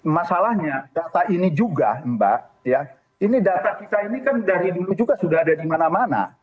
masalahnya data ini juga mbak ini data kita ini kan dari dulu juga sudah ada di mana mana